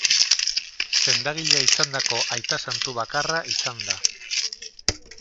Sendagilea izandako aita santu bakarra izan da.